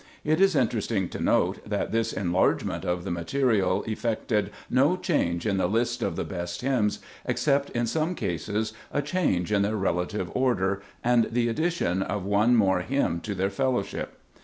It is interesting to note that this enlargement of the material effected no change in the list of the best hymns, except in some cases a change in their relative order, and the addition of one more hymn to their fellowship.